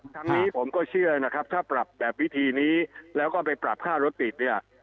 ทั้งนี้ผมก็เชื่อนะครับถ้าปรับแบบวิธีนี้แล้วก็ไปปรับค่ารถติดเนี่ย